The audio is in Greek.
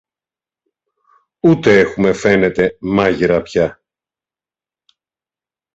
ούτε έχουμε, φαίνεται, μάγειρα πια.